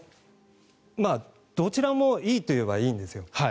どちらもいいといえばいいんですよ。